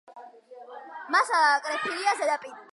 მასალა აკრეფილია ზედაპირულად.